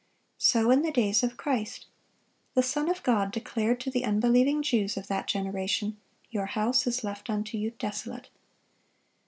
So in the days of Christ. The Son of God declared to the unbelieving Jews of that generation, "Your house is left unto you desolate."